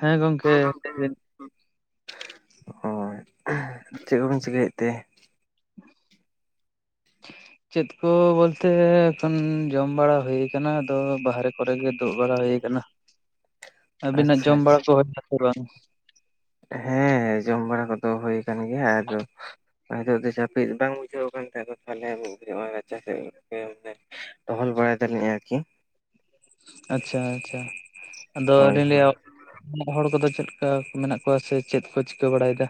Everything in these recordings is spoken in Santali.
ᱦᱮᱸ ᱦᱚᱭ ᱞᱟᱹᱭ ᱜᱚᱝᱠᱮ ᱵᱤᱱ ᱾ ᱚ ᱦᱚᱭ ᱪᱮᱫ ᱠᱚᱵᱤᱱ ᱪᱤᱠᱟᱹᱭᱮᱫ ᱛᱮ? [inaudible] ᱪᱮᱫ ᱠᱚ ᱵᱚᱞᱛᱮ ᱮᱠᱷᱚᱱ ᱡᱚᱢ ᱵᱟᱲᱟ ᱦᱩᱭ ᱟᱠᱟᱱᱟ ᱟᱫᱚ ᱵᱟᱦᱨᱮ ᱠᱚᱨᱮ ᱜᱮ ᱫᱩᱜ ᱵᱟᱲᱟ ᱦᱩᱭ ᱟᱠᱟᱱᱟ ᱾ ᱟᱹᱵᱤᱱᱟᱜ ᱟᱪᱪᱷᱟ ᱡᱚᱢ ᱵᱟᱲᱟ ᱟᱪᱪᱷᱟ ᱠᱚ ᱦᱩᱭ ᱮᱱᱟ ᱥᱮ ᱵᱟᱝ ᱾ ᱦᱮᱸ ᱡᱚᱢ ᱵᱟᱲᱟ ᱠᱚᱫᱚ ᱦᱩᱭ ᱟᱠᱟᱱ ᱜᱮᱭᱟ ᱟᱫᱚ ᱟᱨ ᱱᱤᱛᱚᱜ ᱫᱚ ᱡᱟᱹᱯᱤᱫ ᱵᱟᱝ ᱵᱩᱡᱷᱟᱹᱣ ᱠᱟᱱ ᱛᱟᱦᱮᱸᱫ ᱛᱟᱦᱚᱞᱮ ᱩᱼᱟ ᱨᱟᱪᱟ ᱥᱮᱫ ᱜᱮ ᱢᱟᱱᱮ ᱴᱚᱦᱚᱞ ᱵᱟᱲᱟᱭ ᱮᱫᱟᱞᱤᱧ ᱟᱨᱠᱤ ᱟᱪᱪᱷᱟ ᱟᱪᱪᱷᱟ ᱟᱫᱚ ᱦᱳᱭ ᱞᱤᱧ ᱦᱳᱭ ᱞᱟᱹᱭᱟ‌ ᱦᱚᱲ ᱠᱚᱫᱚ ᱪᱮᱫ ᱞᱮᱠᱟ ᱢᱮᱱᱟᱜ ᱠᱚᱣᱟ ᱥᱮ ᱪᱮᱫ ᱠᱚ ᱪᱤᱠᱟᱹ ᱵᱟᱲᱟᱭᱮᱫᱟ?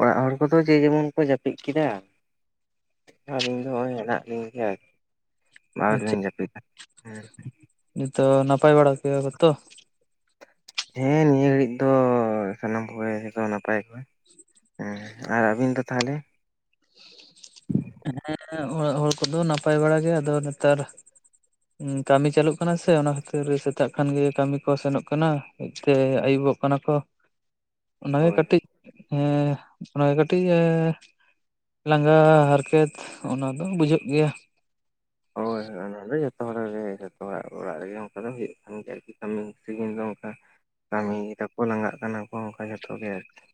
ᱚᱲᱟᱜ ᱦᱚᱲ ᱠᱚᱫᱚ ᱡᱮ ᱡᱮᱢᱚᱱ ᱠᱚ ᱡᱟᱹᱯᱤᱫ ᱠᱮᱫᱟ ᱾ ᱟᱹᱞᱤᱧ ᱫᱚ ᱱᱚᱜᱼᱚᱭ ᱦᱮᱱᱟᱜ ᱞᱤᱧ ᱜᱮᱭᱟ ᱟᱨᱠᱤ ᱵᱟᱫᱽ ᱨᱮᱞᱤᱤᱧ ᱡᱟᱹᱯᱤᱫᱟ ᱦᱮᱸ ᱾ ᱱᱤᱛᱚᱜ ᱱᱟᱯᱟᱭ ᱵᱟᱲᱟ ᱜᱮᱭᱟ ᱯᱮ ᱛᱚ ᱾ ᱦᱮᱸ ᱱᱤᱭᱟᱹ ᱜᱷᱟᱹᱲᱤᱡ ᱫᱚ ᱥᱟᱱᱟᱢ ᱠᱚᱜᱮ ᱱᱟᱯᱟᱭ ᱠᱚᱜᱮ ᱦᱮᱸ ᱾ ᱟᱨ ᱟᱹᱵᱤᱱ ᱫᱚ ᱛᱟᱦᱚᱞᱮ ᱦᱮᱸ ᱚᱲᱟᱜ ᱦᱚᱲ ᱠᱚᱫᱚ ᱱᱟᱯᱟᱭ ᱵᱟᱲᱟ ᱜᱮ ᱟᱫᱚ ᱱᱮᱛᱟᱨ ᱠᱟᱹᱢᱤ ᱪᱟᱹᱞᱩᱜ ᱠᱟᱱᱟ ᱥᱮ ᱚᱱᱟ ᱠᱷᱟᱹᱛᱤᱨ ᱥᱮᱛᱟᱜ ᱠᱷᱟᱱ ᱜᱮ ᱠᱟᱹᱢᱤ ᱠᱚ ᱥᱮᱱᱚᱜ ᱠᱟᱱᱟ ᱾ ᱦᱮᱡ ᱛᱮ ᱟᱹᱭᱩᱵᱚᱜ ᱠᱟᱱᱟ ᱠᱚ ᱾ ᱚᱱᱟᱜᱮ ᱦᱳᱭ ᱠᱟᱹᱴᱤᱡ ᱮᱸᱻ ᱚᱱᱟᱜᱮ ᱠᱟᱹᱴᱤᱡ ᱞᱟᱸᱜᱟ ᱦᱟᱨ ᱠᱮᱛ ᱚᱱᱟ ᱫᱚ ᱵᱩᱡᱷᱟᱹᱜ ᱜᱮᱭᱟ ᱾ ᱦᱚᱭ ᱦᱚᱭ ᱚᱱᱟ ᱫᱚ ᱡᱚᱛᱚ ᱦᱚᱲᱟᱜ ᱜᱮ ᱾ ᱡᱚᱛᱚᱣᱟᱜ ᱚᱲᱟᱜ ᱨᱮᱜᱮ ᱚᱱᱠᱟ ᱫᱚ ᱦᱩᱭᱩᱜ ᱠᱟᱱ ᱜᱮᱭᱟ [unintelligible] ᱠᱟᱹᱢᱤᱫᱤᱧ ᱫᱚ ᱚᱱᱠᱟ ᱠᱟᱹᱢᱤᱭ ᱫᱟᱠᱚ ᱞᱟᱸᱜᱟᱜ ᱠᱟᱱᱟ ᱠᱚ ᱚᱱᱠᱟ ᱡᱚᱛᱚ ᱜᱮ ᱟᱨᱠᱤ ᱾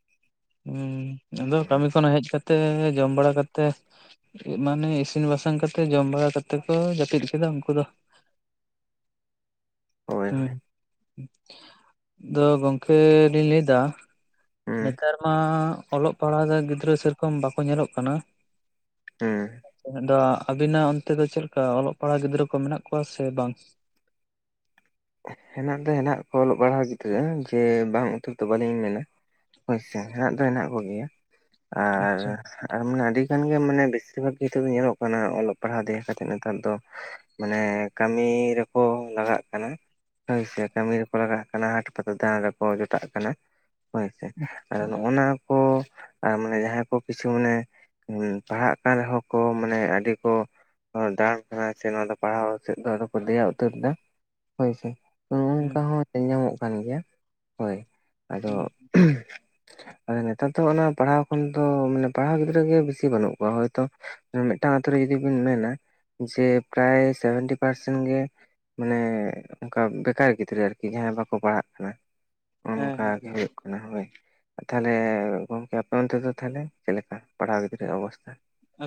ᱦᱩᱸ ᱟᱫᱚ ᱠᱟᱹᱢᱤ ᱠᱷᱚᱱ ᱦᱮᱡ ᱠᱟᱛᱮᱜ ᱡᱚᱢ ᱵᱟᱲᱟ ᱠᱟᱛᱮᱜ ᱢᱟᱱᱮ ᱤᱥᱤᱱ ᱵᱟᱥᱟᱝ ᱠᱟᱛᱮᱫ ᱡᱚᱢ ᱵᱟᱲᱟ ᱠᱟᱛᱮᱫ ᱠᱚ ᱡᱟᱹᱯᱤᱫ ᱠᱮᱫᱟ ᱩᱱᱠᱩ ᱫᱚ ᱾ ᱦᱳᱭ ᱦᱮᱸ ᱦᱳᱭ ᱫᱚ ᱜᱚᱝᱠᱮ ᱞᱤᱧ ᱞᱟᱹᱭᱫᱟ ᱾ ᱦᱩᱸ ᱱᱮᱛᱟᱨ ᱢᱟ ᱚᱞᱚᱜ ᱯᱟᱲᱦᱟᱣ ᱨᱮ ᱜᱤᱫᱽᱨᱟᱹ ᱥᱮᱨᱚᱠᱚᱢ ᱵᱟᱠᱚ ᱧᱮᱞᱚᱜ ᱠᱟᱱᱟ ᱾ ᱦᱮᱸ ᱾ ᱟᱫᱚ ᱟᱹᱵᱤᱱᱟᱜ ᱚᱱᱛᱮ ᱫᱚ ᱪᱮᱫ ᱞᱮᱠᱟ ᱚᱞᱚᱜ ᱯᱟᱲᱦᱟᱜ ᱜᱤᱫᱽᱨᱟᱹ ᱠᱚ ᱢᱮᱱᱟᱜ ᱠᱚᱣᱟ ᱥᱮ ᱵᱟᱝ? ᱦᱮᱱᱟᱜ ᱫᱚ ᱦᱮᱱᱟᱜ ᱠᱚ ᱚᱞᱚᱜ ᱯᱟᱲᱦᱟᱣ ᱜᱤᱫᱽᱨᱟᱹ ᱡᱮ ᱵᱟᱝ ᱩ ᱛᱚ ᱵᱟᱹᱞᱤᱧ ᱢᱮᱱᱟ ᱦᱚᱭ ᱥᱮ ᱦᱮᱱᱟᱜ ᱫᱚ ᱦᱮᱱᱟᱜ ᱠᱚᱜᱮᱭᱟ ᱟᱨ ᱟᱪᱪᱷᱟ ᱟᱨ ᱢᱟᱱᱮ ᱟᱹᱰᱤ ᱜᱟᱱ ᱜᱮ ᱢᱟᱱᱮ ᱵᱮᱥᱤᱨ ᱵᱷᱟᱜ ᱜᱮ ᱫᱚ ᱧᱮᱞᱚᱜ ᱠᱟᱱᱟ, ᱚᱞᱚᱜ ᱯᱟᱲᱦᱟᱜ ᱫᱤᱭᱟᱹ ᱠᱟᱛᱮᱜ ᱱᱮᱛᱟᱨ ᱫᱚ ᱢᱟᱱᱮ ᱠᱟᱹᱢᱤ ᱨᱮᱠᱚ ᱞᱟᱜᱟᱜ ᱠᱟᱱᱟ ᱾ ᱦᱳᱭ ᱥᱮ ᱠᱟᱹᱢᱤ ᱨᱮᱠᱚ ᱞᱟᱜᱟᱜ ᱠᱟᱱᱟ, ᱦᱟᱸᱴ ᱯᱟᱛᱟ ᱫᱟᱬᱟᱱ ᱨᱮᱠᱚ ᱡᱚᱴᱟᱜ ᱠᱟᱱᱟ ᱾ ᱦᱳᱭ ᱥᱮ ᱟᱨ ᱚᱱᱟ ᱠᱚ ᱟᱨ ᱢᱟᱱᱮ ᱡᱟᱦᱟᱸᱭ ᱠᱚ ᱠᱤᱪᱷᱩ ᱢᱟᱱᱮ ᱯᱟᱲᱦᱟᱜ ᱠᱟᱱ ᱨᱮᱦᱚᱸ ᱠᱚ ᱢᱟᱱᱮ ᱟᱹᱰᱤ ᱠᱚ ᱫᱟᱬᱟᱱ ᱠᱟᱱᱟ ᱥᱮ ᱱᱚᱣᱟ ᱫᱚ ᱯᱟᱲᱦᱟᱣ ᱥᱮᱫ ᱫᱚ ᱟᱫᱚ ᱠᱚ ᱫᱮᱭᱟ ᱩᱛᱟᱹᱨ ᱫᱟ ᱾ ᱦᱳᱭ ᱥᱮ ᱾ ᱦᱮᱸ ᱾ ᱧᱮᱞ ᱧᱟᱢᱚᱜ ᱠᱟᱱ ᱜᱮᱭᱟ ᱦᱳᱭ᱾ ᱟᱫᱚ ᱦᱩᱸ ᱱᱮᱛᱟᱨ ᱫᱚ ᱚᱱᱟ ᱯᱟᱲᱦᱟᱣ ᱠᱷᱚᱱ ᱫᱚ ᱢᱟᱱᱮ ᱯᱟᱲᱦᱟᱣ ᱜᱤᱫᱽᱨᱟᱹ ᱜᱮ ᱵᱮᱥᱤ ᱵᱟᱹᱱᱩᱜ ᱠᱚᱣᱟ ᱦᱚᱭ ᱛᱚ ᱢᱤᱫᱴᱟᱱ ᱟᱹᱛᱩ ᱨᱮ ᱡᱚᱫᱤ ᱵᱤᱱ ᱢᱮᱱᱟ ᱡᱮ ᱯᱨᱟᱭ ᱥᱮᱵᱷᱮᱱᱴᱤ ᱯᱟᱨᱥᱮᱱ ᱜᱮ ᱢᱟᱱᱮ ᱚᱱᱠᱟ ᱵᱮᱠᱟᱨ ᱜᱤᱫᱽᱨᱟᱹ ᱟᱨᱠᱤ ᱡᱟᱦᱟᱸᱭ ᱵᱟᱠᱚ ᱯᱟᱲᱦᱟᱜ ᱠᱟᱱᱟ᱾ ᱦᱮᱸ ᱚᱱᱠᱟ ᱦᱮᱸ ᱜᱮ ᱦᱩᱭᱩᱜ ᱠᱟᱱᱟ ᱦᱳᱭ᱾ ᱛᱟᱦᱚᱞᱮ ᱜᱚᱢᱠᱮ ᱟᱯᱮ ᱚᱱᱛᱮ ᱫᱚ ᱛᱟᱦᱚᱞᱮ ᱪᱮᱫ ᱞᱮᱠᱟ ᱯᱟᱲᱦᱟᱣ ᱜᱤᱫᱽᱨᱟᱹ ᱚᱵᱚᱥᱛᱷᱟ?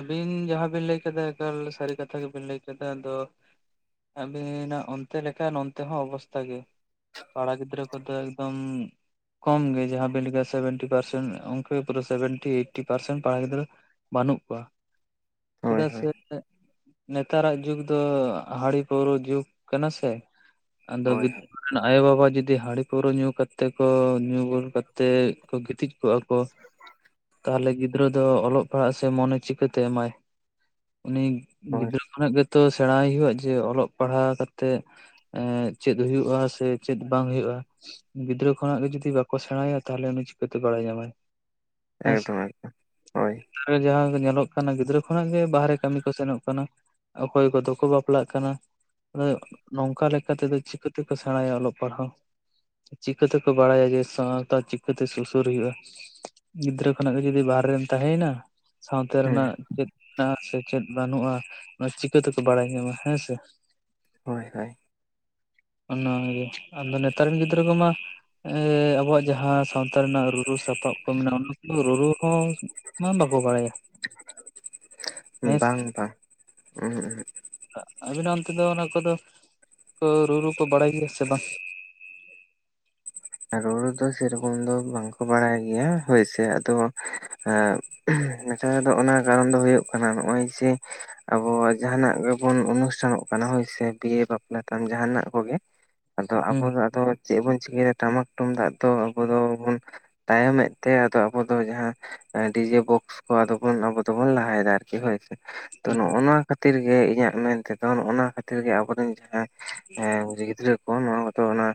ᱟᱹᱵᱤᱱ ᱡᱟᱦᱟᱸ ᱵᱤᱱ ᱞᱟᱹᱭ ᱠᱮᱫᱟ ᱮᱠᱟᱞ ᱥᱟᱹᱨᱤ ᱠᱟᱛᱷᱟ ᱜᱮᱵᱤᱱ ᱞᱟᱹᱭ ᱠᱮᱫᱟ᱾ ᱟᱫᱚ ᱟᱹᱵᱤᱱᱟᱜ ᱚᱱᱛᱮ ᱞᱮᱠᱟ ᱱᱚᱛᱮ ᱦᱚᱸ ᱚᱵᱚᱥᱛᱷᱟ ᱜᱮ ᱾ ᱠᱚᱲᱟ ᱜᱤᱫᱽᱨᱟᱹ ᱠᱚᱫᱚ ᱮᱠᱫᱚᱢ ᱠᱚᱢ ᱜᱮ ᱡᱟᱦᱟᱸ ᱵᱮᱱ ᱞᱟᱹᱭ ᱠᱮᱫᱟ ᱥᱮᱵᱷᱮᱱᱴᱤ ᱯᱟᱨᱥᱮᱱ ᱚᱱᱠᱟ ᱯᱩᱨᱟᱹ ᱥᱮᱵᱷᱮᱱᱴᱤ ᱮᱭᱤᱴᱤ ᱯᱟᱨᱥᱮᱱ ᱠᱚᱲᱟ ᱜᱤᱫᱽᱨᱟᱹ ᱵᱟᱹᱱᱩᱜ ᱠᱚᱣᱟ, ᱦᱳᱭ ᱪᱮᱫᱟᱜ ᱥᱮ? ᱦᱳᱭ ᱱᱮᱛᱟᱨᱟᱜ ᱡᱩᱜᱽ ᱫᱚ ᱦᱟᱺᱲᱤ ᱯᱟᱹᱣᱨᱟᱹ ᱡᱩᱜᱽ ᱠᱟᱱᱟ ᱥᱮ ᱟᱫᱚ ᱦᱳᱭ ᱦᱳᱭ ᱟᱭᱳ ᱵᱟᱵᱟ ᱡᱩᱫᱤ ᱦᱟᱺᱰᱤ ᱯᱟᱹᱣᱨᱟᱹ ᱧᱩ ᱠᱟᱛᱮ ᱠᱚ ᱧᱩ ᱵᱩᱞ ᱠᱟᱛᱮᱫ ᱠᱚ ᱜᱤᱛᱤᱡ ᱠᱚᱜᱼᱟ ᱠᱚ ᱾ ᱛᱟᱦᱚᱞᱮ ᱜᱤᱫᱽᱨᱟᱹ ᱫᱚ ᱚᱞᱚᱜ ᱯᱟᱲᱦᱟᱜ ᱥᱮ ᱢᱚᱱᱮ ᱪᱤᱠᱟᱹᱛᱮ ᱮᱢᱟᱭ᱾ ᱩᱱᱤ ᱦᱳᱭ ᱜᱤᱫᱽᱨᱟᱹ ᱠᱷᱚᱱᱟᱜ ᱜᱮ ᱛᱚ ᱥᱮᱬᱟᱭ ᱦᱩᱭᱩᱜᱼᱟ, ᱡᱮ ᱚᱞᱚᱜ ᱯᱟᱲᱦᱟᱣ ᱠᱟᱛᱮᱜ ᱪᱮᱫ ᱦᱳᱭᱳᱜᱼᱟ ᱥᱮ ᱪᱮᱫ ᱵᱟᱝ ᱦᱩᱭᱩᱜᱼᱟ ᱾ ᱜᱤᱫᱽᱨᱟᱹ ᱠᱷᱚᱱᱟᱜ ᱜᱮ ᱡᱩᱫᱤ ᱵᱟᱠᱚ ᱥᱮᱬᱟᱭᱟ ᱛᱟᱦᱚᱞᱮ ᱩᱱᱤ ᱪᱤᱠᱟᱹᱛᱮ ᱵᱟᱲᱟᱭ ᱧᱟᱢᱟᱭ ᱾ ᱮᱠᱫᱚᱢ ᱮᱠᱫᱚᱢ ᱦᱳᱭ ᱾ ᱡᱟᱦᱟᱸ ᱧᱮᱞᱚᱜ ᱠᱟᱱᱟ ᱜᱤᱫᱽᱨᱟᱹ ᱠᱷᱚᱱᱟᱜ ᱜᱮ, ᱵᱟᱦᱨᱮ ᱠᱟᱹᱢᱤ ᱠᱚ ᱥᱮᱱᱚᱜ ᱠᱟᱱᱟ, ᱚᱠᱚᱭ ᱠᱚᱫᱚ ᱠᱚ ᱵᱟᱯᱞᱟᱜ ᱠᱟᱱᱟ ᱾ ᱟᱫᱚ ᱱᱚᱝᱠᱟ ᱞᱮᱠᱟ ᱛᱮᱫᱚ ᱪᱤᱠᱟᱹ ᱛᱮᱠᱚ ᱥᱮᱬᱟᱭᱟ ᱚᱞᱚᱜ ᱯᱟᱲᱦᱟᱣ ᱾ ᱪᱤᱠᱟᱹ ᱛᱮᱠᱚ ᱵᱟᱲᱟᱭᱟ ᱡᱮ ᱥᱟᱶᱛᱟ ᱪᱤᱠᱟᱹ ᱛᱮ ᱥᱩᱥᱚᱨ ᱦᱩᱭᱩᱜᱼᱟ ᱾ ᱜᱤᱫᱽᱨᱟᱹ ᱠᱷᱚᱱᱟᱜ ᱜᱮ ᱡᱩᱫᱤ ᱵᱟᱭᱨᱮᱢ ᱛᱟᱦᱮᱱᱟ ᱥᱟᱶᱛᱟ ᱦᱩᱸ ᱨᱮᱱᱟᱜ ᱪᱮᱫ ᱥᱮ ᱪᱮᱫ ᱵᱟᱹᱱᱩᱜᱼᱟ᱾ ᱚᱱᱟ ᱪᱤᱠᱟᱹ ᱛᱮᱠᱚ ᱵᱟᱲᱟᱭ ᱧᱟᱢᱟ ᱦᱮᱸ ᱥᱮ ᱾ ᱦᱳᱭ, ᱦᱳᱭ ᱾ [inaudible] ᱚᱱᱟ ᱜᱮ ᱟᱫᱚ ᱱᱮᱛᱟᱨ ᱨᱮᱱ ᱜᱤᱫᱽᱨᱟᱹ ᱠᱚᱢᱟ ᱟᱵᱚᱣᱟᱜ ᱡᱟᱦᱟᱸ ᱥᱟᱶᱛᱟ ᱨᱮᱱᱟᱜ ᱨᱩᱨᱩ ᱥᱟᱯᱟᱵ ᱠᱚ ᱢᱮᱱᱟᱜᱼᱟ, ᱚᱱᱟ ᱠᱚᱫᱚ ᱨᱩᱨᱩ ᱦᱚᱸ ᱢᱟ ᱵᱟᱠᱚ ᱵᱟᱲᱟᱭᱟ ᱾ ᱦᱮᱸ ᱥᱮ ᱵᱟᱝ ᱾ ᱵᱟᱝ ᱟᱵᱤᱱᱟᱜ ᱚᱱᱛᱮ ᱫᱚ, ᱚᱱᱟ ᱠᱚᱫᱚ ᱠᱚ ᱨᱩᱨᱩ ᱠᱚ ᱵᱟᱲᱟᱭ ᱜᱮᱭᱟ ᱥᱮ ᱵᱟᱝ? ᱨᱩᱨᱩ ᱫᱚ ᱥᱮᱨᱚᱠᱚᱢ ᱫᱚ ᱵᱟᱝ ᱠᱚ ᱵᱟᱲᱟᱭ ᱜᱮᱭᱟ ᱦᱳᱭ ᱥᱮ ᱟᱫᱚ ᱱᱮᱛᱟᱨ ᱫᱚ ᱚᱱᱟ ᱠᱟᱨᱚᱱ ᱫᱚ ᱦᱩᱭᱩᱜ ᱠᱟᱱᱟ ᱱᱚᱜᱼᱚᱭ ᱡᱮ ᱟᱵᱚᱣᱟᱜ ᱡᱟᱦᱟᱱᱟᱜ ᱜᱮᱵᱚᱱ ᱚᱱᱩᱥᱴᱷᱟᱱᱚᱜ ᱠᱟᱱᱟ ᱦᱳᱭ ᱥᱮ ᱵᱤᱭᱮ ᱵᱟᱯᱞᱟ ᱛᱟᱢ ᱡᱟᱦᱟᱱᱟᱜ ᱠᱚᱜᱮ ᱟᱫᱚ ᱦᱩᱸ ᱟᱵᱚ ᱫᱚ ᱪᱮᱫ ᱵᱚᱱ ᱪᱤᱠᱟᱭᱟ ᱴᱟᱢᱟᱠ ᱛᱩᱢᱫᱟᱜ ᱫᱚ ᱟᱵᱚ ᱵᱟᱵᱚᱱ ᱛᱟᱭᱚᱢᱮᱫ ᱛᱮ ᱟᱫᱚ ᱟᱵᱚ ᱫᱚ ᱡᱟᱦᱟᱸ ᱰᱤᱡᱮ ᱵᱚᱠᱥ ᱠᱚ ᱟᱫᱚ ᱵᱚᱱ ᱟᱵᱚ ᱫᱚᱵᱚᱱ ᱞᱟᱦᱟᱭ ᱫᱟ ᱟᱨᱠᱤ ᱦᱳᱭ ᱥᱮ ᱾ ᱛᱚ ᱱᱚᱜᱼᱚ ᱱᱚᱣᱟ ᱠᱷᱟᱹᱛᱤᱨ ᱜᱮ ᱤᱧᱟᱹᱜ ᱢᱮᱱ ᱛᱮᱫᱚ ᱱᱚᱜᱼᱱᱟ ᱱᱚᱣᱟ ᱠᱷᱟᱹᱛᱤᱨ ᱜᱮ ᱟᱵᱚᱨᱮᱱ ᱡᱟᱦᱟᱸ ᱜᱤᱫᱽᱨᱟᱹ ᱠᱚ ᱱᱚᱣᱟ ᱠᱚᱛᱚ ᱚᱱᱟ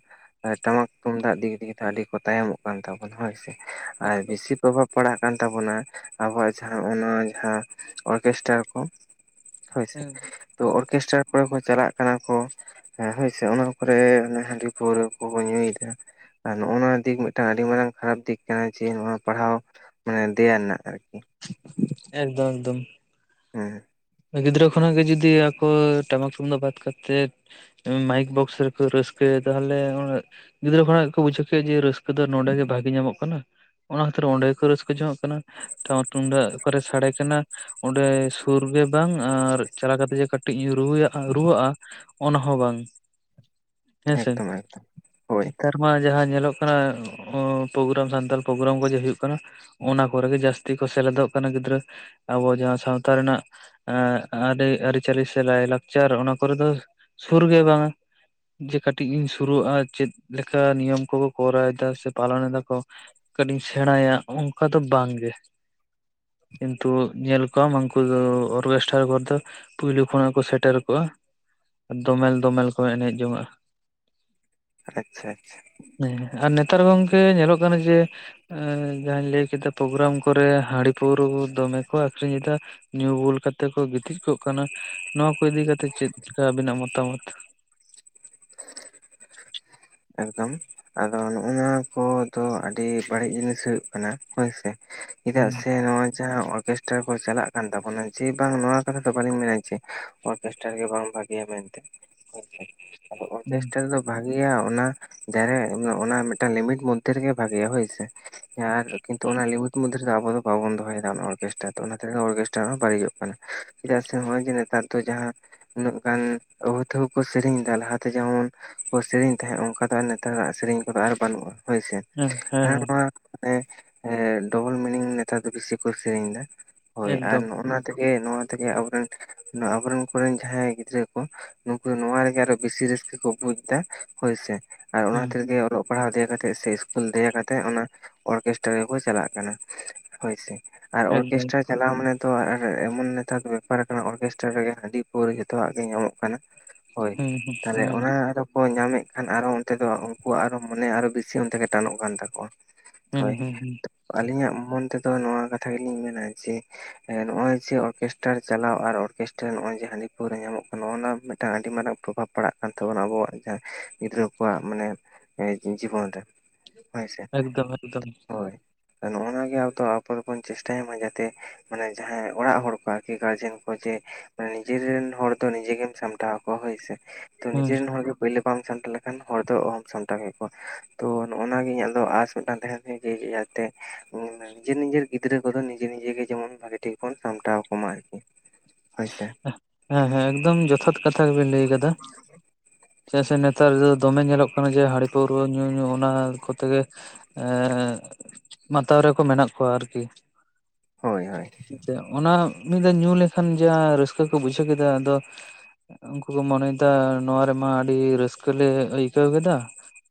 ᱴᱟᱢᱟᱠ ᱛᱩᱢᱫᱟᱜ ᱫᱤᱠ ᱫᱤᱭᱮ ᱛᱮ ᱟᱹᱰᱤ ᱠᱚ ᱛᱟᱭᱚᱢᱚᱜ ᱠᱟᱱ ᱛᱟᱵᱚ ᱦᱳᱭ ᱥᱮ ᱾ ᱟᱨ ᱮᱠᱫᱚᱢ ᱵᱮᱥᱤ ᱯᱨᱚᱵᱷᱟᱵᱽ ᱯᱟᱲᱟᱜ ᱠᱟᱱ ᱛᱟᱵᱚᱱᱟ ᱟᱵᱚᱣᱟᱜ ᱡᱟᱦᱟᱸ ᱚᱱᱟ ᱡᱟᱦᱟᱸ ᱚᱨᱜᱮᱥᱴᱟᱨ ᱠᱚ᱾ ᱦᱳᱭ ᱥᱮ ᱦᱩᱸ [inaudible] ᱛᱚ ᱦᱩᱸ ᱚᱨᱠᱮᱥᱴᱨᱟᱨ ᱠᱚᱨᱮ ᱠᱚ ᱪᱟᱞᱟᱜ ᱠᱟᱱᱟ ᱠᱚ ᱦᱳᱭ ᱥᱮ, ᱚᱱᱟ ᱠᱚᱨᱮ ᱦᱟᱺᱰᱤ ᱯᱟᱹᱣᱨᱟᱹ ᱠᱚᱠᱚ ᱧᱩᱭᱮᱫ ᱟ ᱾ ᱟᱨ ᱱᱚᱜᱼᱚ ᱱᱚᱣᱟ ᱫᱤᱠ ᱢᱤᱫᱴᱟᱝ ᱟᱹᱰᱤ ᱢᱟᱨᱟᱝ ᱠᱷᱟᱨᱟᱯ ᱫᱤᱠ ᱠᱟᱱᱟ ᱡᱮ ᱱᱚᱣᱟ ᱯᱟᱲᱦᱟᱣ ᱢᱟᱱᱮ ᱫᱮᱭᱟ ᱨᱮᱱᱟᱜ ᱟᱨᱠᱤ ᱾ [inaudible] ᱮᱠᱫᱚᱢ ᱮᱠᱫᱚᱢ ᱾ ᱦᱮᱸ ᱾ ᱜᱤᱫᱽᱨᱟᱹ ᱠᱷᱚᱱᱟᱜ ᱜᱮ ᱡᱩᱫᱤ ᱟᱠᱚ ᱴᱟᱢᱟᱠ ᱛᱩᱢᱫᱟᱜ ᱵᱟᱫ ᱠᱟᱛᱮᱫ ᱢᱟᱭᱤᱠ ᱵᱚᱠᱥ ᱨᱮᱠᱚ ᱨᱟᱹᱥᱠᱟᱹᱭᱟ ᱛᱟᱦᱚᱞᱮ ᱜᱤᱫᱽᱨᱟᱹ ᱠᱷᱚᱱᱟᱜ ᱜᱮᱠᱚ ᱵᱩᱡᱷᱟᱹᱣ ᱠᱮᱫ-ᱟ ᱡᱮ ᱨᱟᱹᱥᱠᱟᱹ ᱫᱚ ᱱᱚᱰᱮ ᱜᱮ ᱵᱷᱟᱜᱮ ᱧᱟᱢᱚᱜ ᱠᱟᱱᱟ ᱾ ᱚᱱᱟ ᱠᱷᱟᱹᱛᱤᱨ ᱚᱸᱰᱮ ᱜᱮ ᱠᱚ ᱨᱟᱹᱥᱠᱟᱹ ᱡᱚᱝᱚᱜ ᱠᱟᱱᱟ ᱾ ᱴᱟᱢᱟᱠ ᱛᱩᱢᱫᱟᱜ ᱚᱠᱟ ᱨᱮ ᱥᱟᱰᱮ ᱠᱟᱱᱟ ᱚᱸᱰᱮ ᱥᱩᱨᱜᱮ ᱵᱟᱝ ᱟᱨ ᱪᱟᱞᱟᱣ ᱠᱟᱛᱮᱜ ᱡᱮ ᱠᱟᱹᱴᱤᱡ ᱤᱧ ᱨᱩ ᱨᱩᱣᱟᱹᱜ-ᱟ ᱚᱱᱟ ᱦᱚᱸ ᱵᱟᱝ᱾ ᱦᱮᱸᱥᱮ ᱮᱠᱫᱚᱢ ᱮᱠᱫᱚᱢ ᱾ [inaudible] ᱦᱳᱭ ᱱᱮᱛᱟᱨ ᱢᱟ ᱡᱟᱦᱟᱸ ᱧᱮᱞᱚᱜ ᱠᱟᱱᱟ ᱚᱻ ᱯᱨᱳᱜᱨᱟᱢ ᱥᱟᱱᱛᱟᱞ ᱯᱨᱳᱜᱨᱟᱢ ᱠᱚ ᱡᱮ ᱦᱩᱭᱩᱜ ᱠᱟᱱᱟ ᱚᱱᱟ ᱠᱚᱨᱮ ᱜᱮ ᱡᱟᱹᱥ ᱛᱤ ᱠᱚ ᱥᱮᱞᱮᱫᱚᱜ ᱠᱟᱱᱟ ᱜᱤᱫᱽᱨᱟᱹ ᱾ ᱟᱵᱚ ᱡᱟᱦᱟᱸ ᱥᱟᱶᱛᱟ ᱨᱮᱱᱟᱜ ᱟᱨ ᱟᱹᱨᱤᱪᱟᱹᱞᱤ ᱥᱮ ᱞᱟᱭᱞᱟᱠᱪᱟᱨ ᱚᱱᱟ ᱠᱚᱨᱮ ᱫᱚ ᱥᱩᱨ ᱜᱮ ᱵᱟᱝᱟ ᱾ ᱡᱮ ᱠᱟᱹᱴᱤᱡ ᱤᱧ ᱥᱩᱨᱩᱜ-ᱟ ᱪᱮᱫ ᱞᱮᱠᱟ ᱱᱤᱭᱚᱢ ᱠᱚᱠᱚ ᱠᱚᱨᱟᱣ ᱮᱫᱟ ᱥᱮ ᱯᱟᱞᱚᱱ ᱮᱫᱟ ᱠᱚ ᱠᱟᱹᱴᱤᱡ ᱤᱧ ᱥᱮᱬᱟᱭᱟ ᱚᱱᱠᱟ ᱫᱚ ᱵᱟᱝ ᱜᱮ ᱾ ᱠᱤᱱᱛᱩ ᱧᱮᱞ ᱠᱚᱣᱟᱢ ᱩᱱᱠᱩ ᱫᱚ ᱚᱨᱜᱮᱥᱴᱟᱨ ᱠᱚᱨᱮ ᱫᱚ ᱯᱩᱭᱞᱩ ᱠᱷᱚᱱᱟᱜ ᱠᱚ ᱥᱮᱴᱮᱨ ᱠᱚᱜ-ᱟ ᱾ ᱫᱚᱢᱮᱞ ᱫᱚᱢᱮᱞ ᱠᱚ ᱮᱱᱮᱡ ᱡᱚᱝᱟᱜ-ᱟ ᱾ ᱟᱪᱪᱷᱟ ᱟᱪᱪᱷᱟ ᱾ ᱦᱮᱸ ᱟᱨ ᱱᱮᱛᱟᱨ ᱜᱚᱝᱠᱮ ᱧᱮᱞᱚᱜ ᱠᱟᱱᱟ ᱡᱮ, ᱮᱸᱻ ᱡᱟᱦᱟᱸᱧ ᱞᱟᱹᱭ ᱠᱮᱫᱟ ᱯᱨᱳᱜᱨᱟᱢ ᱠᱚᱨᱮ ᱦᱟᱺᱰᱤ ᱯᱟᱹᱣᱨᱟᱹ ᱫᱚᱢᱮ ᱠᱚ ᱟᱠᱷᱨᱤᱧ ᱮᱫᱟ ᱧᱩ ᱵᱩᱞ ᱠᱟ ᱛᱮ ᱠᱚ ᱜᱤᱛᱤᱡ ᱠᱚᱜ ᱠᱟᱱᱟ ᱱᱚᱣᱟ ᱠᱚ ᱤᱫᱤ ᱠᱟᱛᱮᱜ ᱪᱮᱫᱠᱟ ᱟᱵᱤᱱᱟᱜ ᱢᱚᱛᱟᱢᱚᱛ? ᱮᱠᱫᱚᱢ ᱾ ᱟᱫᱚ ᱱᱚᱜ-ᱱᱚᱣᱟ ᱠᱚᱫᱚ ᱟᱹᱰᱤ ᱵᱟᱹᱲᱤᱡ ᱡᱤᱱᱤᱥ ᱦᱩᱭᱩᱜ ᱠᱟᱱᱟ ᱦᱳᱭ ᱥᱮ ᱾ ᱪᱮᱫᱟᱜ ᱦᱩᱸ ᱥᱮ ᱱᱚᱣᱟ ᱪᱷᱟᱲᱟ ᱚᱨᱜᱮᱥ ᱟᱨ ᱠᱚ ᱪᱟᱞᱟᱜ ᱠᱟᱱ ᱛᱟᱵᱚᱱᱟ, ᱡᱮ ᱵᱟᱝ ᱱᱚᱣᱟ ᱠᱟᱛᱷᱟ ᱫᱚ ᱵᱟᱹᱞᱤᱧ ᱢᱮᱱᱟ ᱡᱮ ᱚᱨᱠᱮᱥᱴᱟᱨ ᱜᱮ ᱵᱟᱝ ᱵᱷᱟᱜᱮᱭᱟ ᱢᱮᱱᱛᱮ ᱾ [inaudible] ᱦᱩᱸ ᱚᱨᱠᱮᱥᱴᱟᱨ ᱫᱚ ᱵᱷᱟᱜᱮᱭᱟ᱾ ᱚᱱᱟ [unintelligible] ᱚᱱᱟ ᱢᱤᱫᱴᱟᱝ ᱞᱤᱢᱤᱴ ᱢᱚᱫᱽᱫᱷᱮ ᱨᱮᱜᱮ ᱵᱷᱟᱜᱮᱭᱟ ᱦᱳᱭ ᱥᱮ, ᱟᱨ ᱠᱤᱱᱛᱩ ᱚᱱᱟ ᱞᱤᱢᱤᱴ ᱢᱚᱫᱽᱫᱷᱮ ᱨᱮ ᱟᱵᱚ ᱫᱚ ᱵᱟᱵᱚᱱ ᱫᱚᱦᱚᱭᱮᱫᱟ ᱚᱱᱟ ᱚᱨᱜᱮᱥᱴᱟᱨ ᱫᱚ ᱚᱱᱟ ᱛᱮᱜᱮ ᱚᱨᱠᱮᱥᱴᱟᱨ ᱦᱚᱸ ᱵᱟᱹᱲᱤᱡᱚᱜ ᱠᱟᱱᱟ ᱾ ᱪᱮᱫᱟᱜ ᱥᱮ ᱱᱚᱜ-ᱚᱭ ᱡᱮ ᱱᱮᱛᱟᱨ ᱫᱚ ᱡᱟᱦᱟᱸ ᱩᱱᱟᱹᱜ ᱜᱟᱱ ᱟᱹᱣᱦᱟᱹᱛᱟᱹᱣᱦᱟᱹ ᱠᱚ ᱥᱮᱨᱮᱧ ᱮᱫᱟ ᱾ ᱞᱟᱦᱟᱛᱮ ᱡᱮᱢᱚᱱ ᱠᱚ ᱥᱮᱨᱮᱧ ᱛᱟᱦᱮᱸᱜ ᱚᱱᱠᱟ ᱫᱚ ᱟᱨ ᱱᱮᱛᱟᱨᱟᱜ ᱥᱮᱨᱮᱧ ᱠᱚᱫᱚ ᱟᱨ ᱵᱟᱹᱱᱩᱜ-ᱟ ᱦᱳᱭ ᱥᱮ, ᱦᱮᱸ ᱟᱨ ᱦᱮᱸ ᱱᱚᱣᱟ ᱮᱸ ᱰᱚᱵᱚᱞ ᱢᱤᱱᱤᱝ ᱱᱮᱛᱟᱨ ᱫᱚ ᱵᱤᱥᱤ ᱠᱚ ᱥᱮᱨᱮᱧ ᱮᱫᱟ, ᱦᱳᱭ ᱟᱨ ᱮᱠᱫᱚᱢ ᱱᱚᱜ-ᱱᱟ ᱛᱮᱜᱮ ᱱᱚᱣᱟ ᱛᱮᱜᱮ ᱟᱵᱚᱨᱮᱱ ᱟᱵᱚᱨᱮᱱ ᱠᱚ ᱨᱮᱱ ᱡᱟᱦᱟᱸᱭ ᱜᱤᱫᱽᱨᱟᱹ ᱠᱚ, ᱱᱩᱠᱩ ᱱᱚᱣᱟ ᱨᱮᱜᱮ ᱟᱨᱚ ᱵᱮᱥᱤ ᱨᱟᱹᱥᱠᱟᱹ ᱠᱚ ᱵᱩᱡ ᱮᱫᱟ ᱾ ᱦᱳᱭᱥᱮ ᱟᱨ ᱚᱱᱟ ᱦᱩᱸ ᱠᱷᱟᱛᱤᱨ ᱦᱩᱸ ᱜᱮ ᱚᱞᱚᱜ ᱯᱟᱲᱦᱟᱜ ᱫᱮᱭᱟ ᱠᱟᱛᱮᱜ ᱥᱮ ᱥᱠᱩᱞ ᱫᱮᱭᱟ ᱠᱟᱛᱮᱜ ᱚᱱᱟ ᱚᱨᱠᱮᱥᱴᱨᱟ ᱜᱮᱠᱚ ᱪᱟᱞᱟᱜ ᱠᱟᱱᱟ ᱦᱳᱭᱥᱮ ᱟᱨ ᱮᱠᱫᱚᱢ ᱚᱨᱠᱮᱥᱴᱟᱨ ᱪᱟᱞᱟᱣ ᱢᱟᱱᱮ ᱫᱚ ᱟᱨ ᱮᱢᱚᱱ ᱱᱮᱛᱟᱨ ᱵᱮᱯᱟᱨ ᱟᱠᱟᱱᱟ ᱚᱨᱜᱮᱥᱴᱟᱨ ᱨᱮᱜᱮ ᱦᱟᱺᱰᱤ ᱯᱟᱹᱣᱨᱟᱹ ᱡᱚᱛᱚᱣᱟᱜ ᱜᱮ ᱧᱟᱢᱚᱜ ᱠᱟᱱᱟ ᱾ ᱦᱳᱭ ᱦᱩᱸ ᱦᱩᱸ ᱛᱟᱦᱚᱞᱮ ᱦᱩᱸ ᱚᱱᱟ ᱟᱫᱚ ᱠᱚ ᱧᱟᱢᱮᱫ ᱠᱷᱟᱱ, ᱟᱨᱚ ᱚᱱᱛᱮ ᱫᱚ ᱩᱱᱠᱩᱣᱟᱜ ᱟᱨᱚ ᱢᱚᱱᱮ ᱟᱨᱚ ᱵᱮᱥᱤ ᱚᱱᱛᱮ ᱜᱮ ᱴᱟᱱᱚᱜ ᱠᱟᱱ ᱛᱟᱠᱚᱣᱟ᱾ ᱦᱩᱸ ᱦᱳᱭ ᱦᱩᱸ ᱟᱹᱞᱤᱧᱟᱜ ᱢᱚᱱ ᱛᱮᱫᱚ ᱱᱚᱣᱟ ᱠᱟᱛᱷᱟ ᱜᱮᱞᱤᱧ ᱢᱮᱱᱟ ᱡᱮ ᱱᱚᱜᱼᱚᱭ ᱡᱮ ᱚᱨᱠᱮᱥᱴᱟᱨ ᱪᱟᱞᱟᱣ ᱟᱨ ᱚᱨᱠᱮᱥᱴᱟᱨ ᱱᱚᱜᱼᱚᱭ ᱡᱮ ᱦᱟᱺᱰᱤ ᱯᱟᱹᱣᱨᱟᱹ ᱧᱟᱢᱚᱜ ᱠᱟᱱᱟ ᱱᱚᱜ ᱱᱚᱶᱟ ᱢᱤᱫᱴᱟᱝ ᱟᱹᱰᱤ ᱢᱟᱨᱟᱝ ᱯᱨᱚᱵᱷᱟᱵᱽ ᱯᱟᱲᱟᱜ ᱠᱟᱱ ᱛᱟᱵᱚᱱᱟ ᱟᱵᱚᱣᱟᱜ ᱡᱟᱦᱟ ᱜᱤᱫᱽᱨᱟᱹ ᱠᱚᱣᱟᱜ ᱢᱟᱱᱮ ᱡᱤᱵᱚᱱ ᱨᱮ ᱦᱳᱭ ᱥᱮ ᱮᱠᱫᱚᱢ ᱮᱠᱫᱚᱢ ᱦᱳᱭ ᱾ ᱱᱚᱜᱼᱚᱱᱟ ᱜᱮ ᱛᱚ, ᱟᱵᱚ ᱫᱚᱵᱚᱱ ᱪᱮᱥᱴᱟᱭᱟ ᱢᱟ ᱡᱟᱛᱮ ᱢᱟᱱᱮ ᱡᱟᱦᱟᱸᱭ ᱚᱲᱟᱜ ᱦᱚᱲ ᱠᱚ ᱟᱨᱠᱤ ᱜᱟᱨᱡᱮᱱ ᱠᱚ ᱡᱮ ᱢᱟᱱᱮ ᱱᱤᱡᱮ ᱨᱮᱱ ᱦᱚᱲ ᱫᱚ ᱱᱤᱡᱮ ᱜᱮᱢ ᱥᱟᱢᱴᱟᱣ ᱠᱚ ᱦᱳᱭ ᱥᱮ ᱛᱚ, ᱦᱩᱸ ᱱᱤᱡᱮ ᱨᱮᱱ ᱦᱚᱲ ᱜᱮ ᱯᱳᱭᱞᱳ ᱵᱟᱢ ᱥᱟᱢ ᱴᱟᱣ ᱞᱮᱠᱷᱟᱱ ᱦᱚᱲ ᱫᱚ ᱚᱦᱚᱢ ᱥᱟᱢᱴᱟᱣ ᱠᱮ ᱠᱚᱣᱟ ᱛᱚ ᱱᱚᱜ ᱚᱱᱟ ᱜᱮ ᱤᱧᱟᱹᱜ ᱫᱚ ᱟᱥ ᱢᱤᱫᱴᱟᱝ ᱛᱟᱦᱮᱱ ᱛᱤᱧᱟᱹ ᱡᱮ ᱛᱮ ᱧᱤᱫᱟᱹ ᱱᱤᱡᱮᱨ, ᱱᱤᱡᱮᱨ ᱜᱤᱫᱽᱨᱟᱹ ᱠᱚᱫᱚ ᱱᱤᱡᱮ ᱱᱤᱡᱮ ᱜᱮ ᱡᱮᱢᱚᱱ ᱵᱷᱟᱜᱮ ᱴᱷᱤᱠ ᱵᱚᱱ ᱥᱟᱢᱴᱟᱣ ᱡᱚᱢᱟ ᱟᱨᱠᱤ ᱾ ᱦᱮᱸ, ᱦᱮᱸ ᱮᱠᱫᱚᱢ ᱡᱚᱛᱷᱟᱛ ᱠᱟᱛᱷᱟ ᱜᱮᱵᱤᱱ ᱞᱟᱹᱭ ᱠᱟᱫᱟ ᱾ ᱪᱮᱫᱟᱜ ᱥᱮ ᱱᱮᱛᱟᱨ ᱫᱚᱢᱮ ᱧᱮᱞᱚᱜ ᱠᱟᱱᱟ ᱡᱮ ᱦᱟᱺᱰᱤ ᱯᱟᱹᱣᱨᱟᱹ ᱧᱩ ᱧᱩ ᱚᱱᱟ ᱠᱚᱛᱮ ᱜᱮ ᱾ ᱮᱸᱻ ᱢᱟᱛᱟᱣ ᱨᱮᱠᱚ ᱢᱮᱱᱟᱜ ᱠᱚᱣᱟ ᱟᱨᱠᱤ ᱦᱳᱭ ᱦᱳᱭ ᱾ ᱡᱮ ᱚᱱᱟ ᱢᱤᱫ ᱫᱷᱟᱣ ᱧᱩ ᱞᱮᱠᱷᱟᱱ ᱡᱟ ᱨᱟᱹᱥᱠᱟᱹ ᱠᱚ ᱵᱩᱡᱷᱟᱹᱣ ᱠᱮᱫᱟ ᱟᱫᱚ ᱩᱱᱠᱩ ᱠᱩ ᱢᱚᱱᱮᱭᱮᱫᱟ ᱱᱚᱶᱟ ᱨᱮᱢᱟ ᱟᱹᱰᱤ ᱨᱟᱹᱥᱠᱟᱹ ᱞᱮ ᱟᱹᱭᱠᱟᱹᱣ ᱠᱮᱫᱟ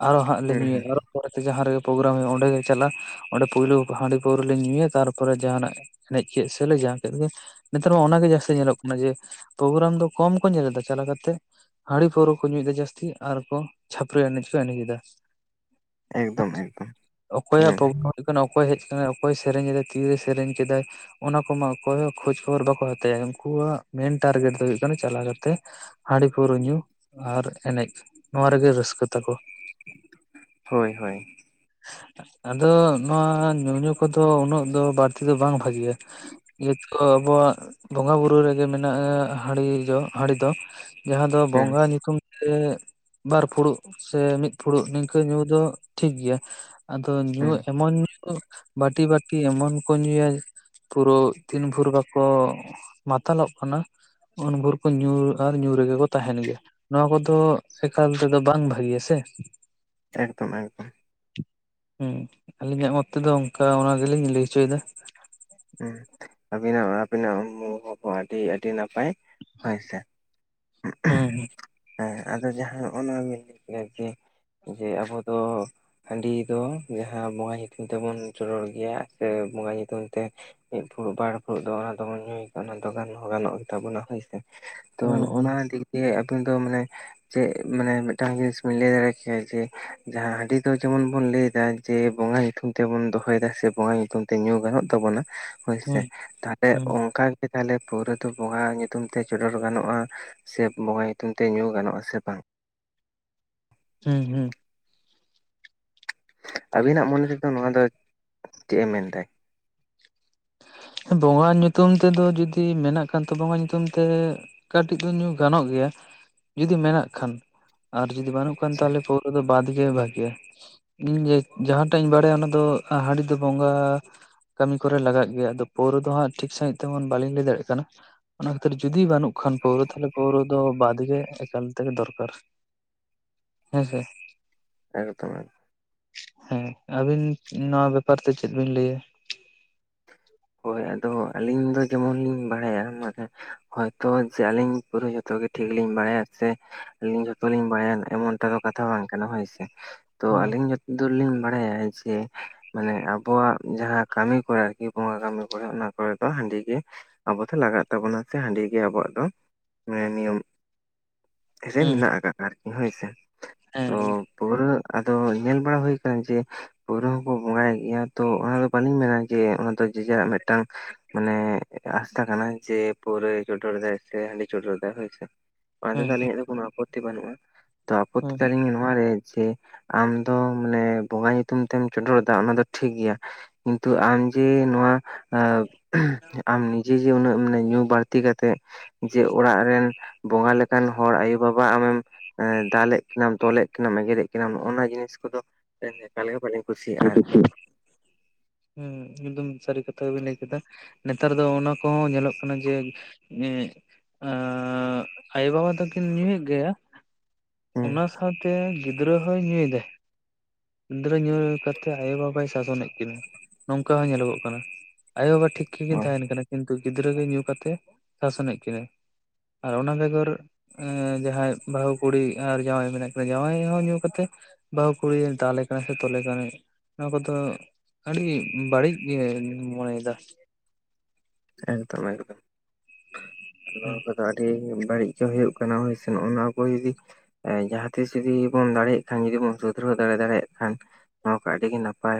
ᱟᱨᱚ ᱦᱟᱸᱜ ᱞᱮ ᱦᱩᱸ ᱧᱩᱭᱟ ᱦᱩᱸ ᱟᱨᱚ ᱾ ᱯᱚᱨᱮᱛᱮ ᱡᱟᱦᱟᱸ ᱨᱮᱜᱮ ᱯᱨᱳᱜᱨᱟᱢ ᱦᱳᱭᱳᱜᱼᱟ, ᱚᱸᱰᱮ ᱜᱮ ᱪᱟᱞᱟᱜ ᱚᱸᱰᱮ ᱯᱩᱭᱞᱩ ᱦᱟᱺᱰᱤ ᱯᱟᱹᱣᱨᱟᱹ ᱞᱮ ᱧᱩᱭᱟ ᱛᱟᱨᱯᱚᱨᱮ ᱡᱟᱦᱟᱱᱟᱜ ᱮᱱᱮᱡ ᱠᱮᱜ ᱥᱮᱞᱮ ᱡᱟᱦᱟᱸ ᱠᱮᱫ ᱜᱮ ᱱᱮᱛᱟᱨ ᱢᱟ ᱚᱱᱟᱜᱮ ᱡᱟᱹᱥᱛᱤ ᱧᱮᱞᱚᱜ ᱚᱱᱮ ᱡᱮ ᱯᱨᱳᱜᱨᱟᱢ ᱫᱚ ᱠᱚᱢ ᱠᱚ ᱧᱮᱞᱮᱫᱟ ᱪᱟᱞᱟ ᱠᱟᱛᱮ ᱾ ᱦᱟᱺᱲᱤ ᱯᱟᱹᱣᱨᱟᱹ ᱠᱚ ᱧᱩᱭ ᱮᱫᱟ ᱡᱟᱹᱥᱛᱤ ᱟᱨ ᱠᱚ ᱪᱷᱟᱹᱯᱨᱤ ᱮᱱᱮᱡ ᱠᱚ ᱮᱱᱮᱡ ᱮᱫᱟ ᱾ ᱮᱠᱫᱚᱢ ᱮᱠᱫᱚᱢ [inaudible] ᱦᱩᱭᱩᱜ ᱦᱩᱸ ᱠᱟᱱᱟ, ᱚᱠᱚᱭ ᱦᱮᱡ ᱠᱟᱱᱟᱭ ᱚᱠᱚᱭ ᱥᱮᱨᱮᱧ ᱮᱫᱟᱭ ᱛᱤᱨᱮ ᱥᱮᱨᱮᱧ ᱠᱮᱫᱟᱭ ᱚᱱᱟ ᱠᱚᱢᱟ ᱚᱠᱚᱭ ᱦᱚᱸ ᱠᱷᱳᱡᱽ ᱠᱷᱚᱵᱚᱨ ᱵᱟᱠᱚ ᱦᱟᱛᱟᱣᱟ, ᱩᱱᱠᱩ ᱦᱚᱲᱟᱜ ᱢᱮᱱ ᱴᱟᱨᱜᱮᱴ ᱫᱚ ᱦᱩᱭᱩᱜ ᱠᱟᱱᱟ ᱪᱟᱞᱟ ᱠᱟᱛᱮ ᱦᱟᱺᱰᱤ ᱯᱟᱹᱣᱨᱟᱹ ᱧᱩ ᱟᱨ ᱮᱱᱮᱡ, ᱱᱚᱣᱟ ᱨᱮᱜᱮ ᱨᱟᱹᱥᱠᱟᱹ ᱛᱟᱠᱚ ᱾ ᱦᱳᱭ, ᱦᱳᱭ ᱾ ᱟᱫᱚ ᱱᱚᱣᱟ ᱧᱩ ᱧᱩ ᱠᱚ ᱫᱚ ᱩᱱᱟᱹᱜ ᱫᱚ ᱵᱟᱲᱛᱤ ᱫᱚ ᱵᱟᱝ ᱵᱷᱟᱜᱮᱭᱟ ᱾ [unintelligible] ᱟᱵᱚᱣᱟᱜ ᱵᱚᱸᱜᱟ ᱵᱩᱨᱩ ᱨᱮᱜᱮ ᱢᱮᱱᱟᱜᱼᱟ, ᱦᱟᱺᱲᱤ ᱫᱚ ᱦᱟᱺᱲᱤ ᱫᱚ ᱡᱟᱦᱟᱸ ᱫᱚ ᱦᱩᱸ ᱵᱚᱸᱜᱟ ᱧᱩᱛᱩᱢ ᱛᱮ ᱵᱟᱨ ᱯᱷᱩᱲᱩᱜ ᱥᱮ ᱢᱤᱫ ᱯᱷᱩᱲᱩᱜ ᱱᱤᱝᱠᱟᱹ ᱧᱩ ᱫᱚ ᱴᱷᱤᱠ ᱜᱮᱭᱟ ᱾ ᱟᱫᱚ ᱧᱩ ᱦᱩᱸ ᱮᱢᱚᱱ ᱧᱩ ᱵᱟᱹᱴᱤ, ᱵᱟᱹᱴᱤ ᱮᱢᱚᱱ ᱠᱚ ᱧᱩᱭᱟ ᱯᱩᱨᱟᱹ ᱛᱤᱱ ᱵᱷᱩᱨ ᱵᱟᱠᱚ ᱢᱟᱛᱟᱞᱚᱜ ᱠᱟᱱᱟ, ᱩᱱ ᱵᱷᱩᱨ ᱠᱚ ᱧᱩ ᱟᱨ ᱧᱩ ᱨᱮᱜᱮ ᱠᱚ ᱛᱟᱦᱮᱱ ᱜᱮᱭᱟ ᱾ ᱱᱚᱣᱟ ᱠᱚᱫᱚ ᱮᱠᱟᱞ ᱛᱮᱫᱚ ᱵᱟᱝ ᱵᱷᱟᱜᱮᱭᱟ ᱥᱮ ᱾ ᱮᱠᱫᱚᱢ, ᱮᱠᱫᱚᱢ ᱾ ᱦᱩᱸ ᱟᱹᱞᱤᱧᱟᱜ ᱢᱚᱛ ᱛᱮᱫᱚ ᱚᱱᱠᱟ ᱚᱱᱟ ᱜᱮᱞᱤᱧ ᱞᱟᱹᱭ ᱦᱚᱪᱚᱭᱫᱟ ᱾ ᱦᱩᱸ ᱟᱵᱤᱱᱟᱜ, ᱟᱵᱤᱱᱟᱜ ᱢᱚᱱᱚ ᱵᱷᱟᱵ ᱦᱚᱸ ᱟᱹᱰᱤ, ᱟᱹᱰᱤ ᱱᱟᱯᱟᱭ ᱾ ᱦᱳᱭ ᱥᱮ ᱦᱩᱸ ᱾ ᱦᱮᱸ ᱟᱫᱚ ᱡᱟᱦᱟᱸ ᱱᱚᱜᱼᱚᱱᱟ ᱱᱚᱣᱟ ᱵᱤᱱ ᱞᱟᱹᱭ ᱠᱮᱫᱟ ᱡᱮ ᱡᱮ ᱟᱵᱚ ᱫᱚ ᱦᱟᱺᱰᱤ ᱫᱚ ᱡᱟᱦᱟᱸ ᱵᱚᱸᱜᱟ ᱧᱩᱛᱩᱢ ᱛᱮᱵᱚᱱ ᱪᱚᱰᱚᱨ ᱜᱮᱭᱟ ᱥᱮ ᱵᱚᱸᱜᱟ ᱧᱩᱛᱩᱢ ᱛᱮ ᱢᱤᱫ ᱯᱷᱩᱲᱩᱜ, ᱵᱟᱨ ᱯᱷᱩᱲᱩᱜ ᱫᱚ ᱚᱱᱟ ᱫᱚᱵᱚᱱ ᱧᱩᱭ ᱜᱮᱭᱟ ᱚᱱᱟ ᱫᱚ ᱜᱟᱱ ᱦᱚᱸ ᱜᱟᱱᱚᱜ ᱜᱮᱛᱟ ᱵᱚᱱᱟ ᱦᱳᱭ ᱥᱮ ᱾ ᱛᱚ ᱱᱚᱜᱼᱚᱱᱟ ᱦᱩᱸ ᱫᱤᱠ ᱫᱤᱭᱮ ᱟᱵᱤᱱ ᱫᱚ ᱢᱟᱱᱮ ᱪᱮᱜ ᱢᱟᱱᱮ ᱢᱤᱫᱴᱟᱝ ᱡᱤᱱᱤᱥ ᱵᱤᱱ ᱞᱟᱹᱭ ᱫᱟᱲᱮ ᱠᱮᱭᱟ ᱡᱮ ᱡᱟᱦᱟᱸ ᱦᱟᱺᱰᱤ ᱫᱚ ᱡᱮᱢᱚᱱ ᱵᱚᱱ ᱞᱟᱹᱭᱫᱟ ᱡᱮ ᱵᱚᱸᱜᱟ ᱧᱩᱛᱩᱢ ᱛᱮᱵᱚᱱ ᱫᱚᱦᱚᱭᱫᱟ ᱥᱮ ᱵᱚᱸᱜᱟ ᱧᱩᱛᱩᱢ ᱛᱮ ᱧᱩ ᱜᱟᱱᱚᱜ ᱛᱟᱵᱚᱱᱟ ᱦᱳᱭ ᱥᱮ ᱦᱩᱸ ᱛᱟᱦᱚᱞᱮ ᱦᱩᱸ ᱚᱱᱠᱟ ᱜᱮ ᱛᱟᱦᱚᱞᱮ ᱯᱟᱹᱣᱨᱟᱹ ᱫᱚ ᱵᱚᱸᱜᱟ ᱧᱩᱛᱩᱢ ᱛᱮ ᱪᱚᱰᱚᱨ ᱜᱟᱱᱚᱜᱼᱟ᱾ ᱥᱮ ᱵᱚᱸᱜᱟ ᱧᱩᱛᱩᱢ ᱛᱮ ᱧᱩ ᱜᱟᱱᱚᱜᱼᱟ ᱥᱮ ᱵᱟᱝ? ᱦᱩᱸ, ᱦᱩᱸ, ᱟᱹᱵᱤᱱᱟᱜ ᱢᱚᱱᱮ ᱛᱮᱫᱚ ᱱᱚᱣᱟ ᱫᱚ ᱪᱮᱜ ᱮ ᱢᱮᱱᱫᱟᱭ? ᱵᱚᱸᱜᱟ ᱧᱩᱛᱩᱢ ᱛᱮᱫᱚ ᱡᱩᱫᱤ ᱢᱮᱱᱟᱜ ᱠᱷᱟᱱ ᱛᱚ ᱵᱚᱸᱜᱟ ᱧᱩᱛᱩᱢ ᱛᱮ, ᱠᱟᱹᱴᱤᱡ ᱫᱚ ᱧᱩ ᱜᱟᱱᱚᱜ ᱜᱮᱭᱟ, ᱡᱩᱫᱤ ᱢᱮᱱᱟᱜ ᱠᱷᱟᱱ ᱟᱨ ᱡᱩᱫᱤ ᱵᱟᱹᱱᱩᱜ ᱠᱷᱟᱱ ᱟᱪᱪᱷᱟ ᱛᱟᱦᱚᱞᱮ ᱯᱟᱹᱣᱨᱟᱹ ᱠᱚᱫᱚ ᱵᱟᱫ ᱜᱮ ᱵᱷᱟᱜᱮᱭᱟ᱾ ᱤᱧ ᱡᱮ ᱡᱟᱦᱟᱸᱴᱟᱜ ᱤᱧ ᱵᱟᱲᱟᱭᱟ ᱚᱱᱟ ᱫᱚ ᱦᱟᱹᱰᱤ ᱫᱚ ᱵᱚᱸᱜᱟ ᱠᱟᱹᱢᱤ ᱠᱚᱨᱮ ᱞᱟᱜᱟᱜ ᱜᱮᱭᱟ ᱟᱫᱚ ᱯᱟᱹᱣᱨᱟᱹ ᱫᱚ ᱦᱟᱸᱜ, ᱴᱷᱤᱠ ᱥᱟᱹᱦᱤᱡ ᱛᱮᱢᱚᱱ ᱵᱟᱞᱤᱧ ᱞᱟᱹᱭ ᱫᱟᱲᱮᱜ ᱠᱟᱱᱟ᱾ ᱚᱱᱟ ᱠᱷᱟᱹᱛᱤᱨ ᱡᱩᱫᱤ ᱵᱟᱹᱱᱩᱜ ᱠᱷᱟᱱ ᱯᱟᱹᱣᱨᱟᱹ, ᱛᱟᱦᱚᱞᱮ ᱯᱟᱹᱣᱨᱟᱹ ᱫᱚ ᱵᱟᱫ ᱜᱮ ᱮᱠᱟᱞ ᱛᱮᱜᱮ ᱫᱚᱨᱠᱟᱨ᱾ ᱦᱮᱸ ᱥᱮ ᱮᱠᱫᱚᱢ ᱮᱠᱫᱚᱢ, ᱦᱮᱸ ᱟᱹᱵᱤᱱ ᱱᱚᱣᱟ ᱵᱮᱯᱟᱨ ᱛᱮ ᱪᱮᱫ ᱵᱤᱱ ᱞᱟᱹᱭᱟ? [unintelligible] ᱦᱳᱭ ᱟᱫᱚ ᱟᱹᱞᱤᱧ ᱫᱚ ᱡᱮᱢᱚᱱ ᱞᱤᱧ ᱵᱟᱲᱟᱭᱟ, ᱢᱟᱱᱮ ᱦᱚᱭᱛᱚ ᱡᱮ ᱟᱹᱞᱤᱧ, ᱯᱩᱨᱟᱹ ᱡᱚᱛᱚᱜ ᱜᱮ ᱴᱷᱤᱠ ᱞᱤᱧ ᱵᱟᱲᱟᱭᱟ ᱥᱮ ᱟᱹᱞᱤᱧ ᱡᱷᱚᱛᱚ ᱞᱤᱧ ᱵᱟᱲᱟᱭᱟ ᱮᱢᱚᱱᱴᱟ ᱫᱚ ᱠᱟᱛᱷᱟ ᱵᱟᱝ ᱠᱟᱱᱟ ᱦᱳᱭᱥᱮ, ᱛᱚ ᱦᱩᱸ ᱟᱞᱤᱧ ᱡᱚᱛᱚ ᱫᱩᱨ ᱞᱤᱧ ᱵᱟᱲᱟᱭᱟ ᱡᱮ ᱢᱟᱱᱮ ᱟᱵᱚᱣᱟᱜ ᱡᱟᱦᱟᱸ ᱠᱟᱹᱢᱤ ᱠᱚᱨᱮ ᱟᱨᱠᱤ, ᱵᱚᱸ ᱠᱟᱹᱢᱤ ᱠᱚᱨᱮ ᱚᱱᱟ ᱠᱚᱨᱮ ᱫᱚ ᱦᱟᱺᱰᱤ ᱜᱮ, ᱟᱵᱚ ᱫᱚ ᱞᱟᱜᱟᱜ ᱛᱟᱵᱚᱱᱟ ᱥᱮ ᱦᱟᱺᱰᱤ ᱜᱮ ᱟᱵᱚᱣᱟᱜ ᱫᱚ ᱢᱮ ᱱᱤᱭᱚᱢ ᱨᱤ, ᱦᱩᱸ ᱢᱮᱱᱟᱜ ᱟᱠᱟᱜᱼᱟ ᱟᱨᱠᱤ ᱦᱳᱭᱥᱮ, ᱦᱮᱸ ᱯᱩᱨᱟᱹ ᱟᱫᱚ ᱧᱮᱞ ᱵᱟᱲᱟ ᱦᱩᱭ ᱟᱠᱟᱱᱟ ᱡᱮ ᱯᱟᱹᱣᱨᱟᱹ ᱦᱚᱸᱠᱚ ᱵᱚᱸᱜᱟᱭᱮᱫ ᱜᱮᱭᱟ ᱛᱚ ᱚᱱᱟᱫᱚ ᱵᱟᱹᱞᱤᱧ ᱢᱮᱱᱟ ᱡᱮ ᱚᱱᱟ ᱫᱚ ᱡᱮ ᱡᱟᱨᱟᱜ ᱢᱤᱫᱴᱟᱝ ᱢᱟᱱᱮ ᱮᱴᱟ ᱟᱥᱛᱟ ᱠᱟᱱᱟ ᱡᱮ ᱯᱟᱹᱣᱨᱟᱹ ᱪᱚᱰᱚᱨ ᱫᱟᱭ ᱥᱮ ᱦᱟᱹᱰᱤ ᱪᱚᱰᱚᱨ ᱫᱟᱭ, ᱦᱳᱭᱥᱮ, ᱚᱱᱟ ᱦᱩᱸ ᱛᱮᱫᱚ ᱟᱹᱞᱤᱧᱟᱜ ᱫᱚ ᱠᱳᱱᱳ ᱟᱯᱚᱛᱛᱤ ᱵᱟᱹᱱᱩᱜᱼᱟ ᱛᱚ ᱟᱯᱚᱛᱛᱤ ᱦᱩᱸ ᱛᱟᱞᱤᱧ ᱱᱚᱣᱟᱨᱮ ᱡᱮ, ᱟᱢᱫᱚ ᱢᱟᱱᱮ ᱵᱚᱸᱜᱟ ᱧᱩᱛᱩᱢ ᱛᱮᱢ ᱪᱚᱰᱚᱨᱮᱫᱟ ᱚᱱᱟᱫᱚ ᱴᱷᱤᱠᱜᱮᱭᱟ, ᱠᱤᱱᱛᱩ ᱟᱢ ᱡᱮ ᱱᱚᱣᱟ ᱟ ᱟᱢ ᱱᱤᱡᱮ ᱡᱮ ᱩᱱᱟᱹᱜ ᱢᱟᱱᱮ ᱧᱩ ᱵᱟᱹᱲᱛᱤ ᱠᱟᱛᱮᱫ ᱡᱮ ᱚᱲᱟᱜ ᱨᱮᱱ ᱵᱚᱸᱜᱟ ᱞᱮᱠᱟᱱ ᱦᱚᱲ ᱟᱭᱳ ᱵᱟᱵᱟ ᱟᱢᱮᱢ ᱫᱟᱞᱮᱫ ᱠᱤᱱᱟᱢ, ᱛᱚᱞᱮᱫ ᱠᱤᱱᱟᱢ, ᱮᱜᱮᱨᱮᱫ ᱠᱤᱱᱟ, ᱱᱚᱜᱼ ᱱᱚᱣᱟ ᱡᱤᱱᱤᱥ ᱠᱚᱫᱚ ᱮᱠᱟᱞ ᱜᱮ ᱵᱟᱞᱤᱧ ᱠᱩᱥᱤᱭᱼᱟ ᱟᱨᱠᱤ, ᱦᱮᱸ ᱮᱠᱫᱚᱢ ᱥᱟᱹᱨᱤ ᱠᱟᱛᱷᱟ ᱜᱮᱵᱤᱱ ᱞᱟᱹᱭ ᱠᱮᱫᱟ᱾ ᱱᱮᱛᱟᱨ ᱫᱚ ᱚᱱᱟ ᱠᱚᱦᱚᱸ ᱧᱮᱞᱚᱜ ᱠᱟᱱᱟ ᱡᱮ ᱟᱻ ᱟᱭᱳ ᱵᱟᱵᱟ ᱛᱟ ᱠᱤᱱ ᱧᱩᱭᱮᱫ ᱜᱮᱭᱟ, ᱦᱩᱸ ᱚᱱᱟ ᱥᱟᱶᱛᱮ ᱜᱤᱫᱽᱨᱟᱹ ᱦᱚᱭ ᱧᱩᱭᱮᱫᱟᱭ, ᱜᱤᱫᱽᱨᱟᱹ ᱧᱩ ᱠᱟᱛᱮᱫ ᱟᱭᱳᱼ ᱵᱟᱵᱟᱭ ᱥᱟᱥᱚᱱᱮᱫ ᱠᱤᱱᱟᱹ, ᱱᱚᱝᱠᱟ ᱦᱚᱸ ᱧᱮᱞᱚᱜᱚᱜ ᱠᱟᱱᱟ ᱟᱭᱳ ᱵᱟᱵᱟ, ᱴᱷᱤᱠ ᱜᱮᱠᱤᱱ ᱦᱳᱭ ᱛᱟᱦᱮᱱ ᱠᱟᱱᱟ, ᱠᱤᱱᱛᱩ ᱜᱤᱫᱽᱨᱟᱹ ᱜᱮ ᱧᱩ ᱠᱟᱛᱮᱫ ᱥᱟᱥᱚᱱ ᱮᱫ ᱠᱤᱱᱟᱹ᱾ ᱟᱨ ᱚᱱᱟ ᱵᱮᱜᱚᱨ ᱮ ᱡᱟᱦᱟᱸᱟᱭ ᱵᱟᱹᱦᱩ ᱠᱩᱲᱤ ᱟᱨ ᱡᱟᱶᱟᱭ ᱢᱮᱱᱟᱜ ᱠᱤᱱᱟ, ᱡᱟᱶᱟᱭ ᱦᱚᱸ ᱧᱩ ᱠᱟᱛᱮᱜ ᱵᱟᱹᱦᱩ ᱠᱩᱲᱤ ᱫᱟᱞᱮ ᱠᱟᱱᱟᱭ ᱥᱮ ᱛᱚᱞᱮ ᱠᱟᱱᱟᱭ᱾ ᱱᱚᱣᱟ ᱠᱚᱫᱚ ᱟᱹᱰᱤ ᱵᱟᱹᱲᱤᱡ ᱜᱮ ᱢᱚᱱᱮᱭᱮᱫᱟ, ᱮᱫᱚᱢ, ᱮᱠᱫᱚᱢ ᱱᱭᱟ ᱦᱩᱸ ᱫᱚ, ᱟᱹᱰᱤ ᱵᱟᱹᱲᱤᱡ ᱜᱮ ᱦᱩᱭᱩᱜ ᱠᱟᱱᱟ ᱦᱚᱭ ᱥᱮ, ᱱᱚᱜᱼᱚᱭ ᱚᱱᱟ ᱠᱚ ᱡᱚᱫᱤ ᱮ ᱡᱟᱦᱟᱸ ᱛᱤᱥ ᱡᱩᱫᱤ ᱵᱚᱱ ᱫᱟᱲᱮᱭᱟᱜ ᱠᱷᱟᱱ, ᱡᱩᱫᱤ ᱵᱚᱱ ᱥᱩᱫᱷᱨᱟᱹᱣ ᱫᱟᱲᱮᱭᱟᱜ ᱠᱷᱟᱱ, ᱚᱱᱟ ᱫᱚ ᱟᱹᱰᱤ ᱜᱮ ᱱᱟᱯᱟᱭ